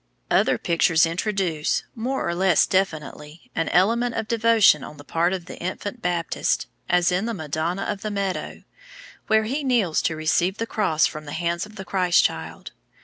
Other pictures introduce, more or less definitely, an element of devotion on the part of the infant Baptist, as in the Madonna of the Meadow, where he kneels to receive the cross from the hands of the Christ child.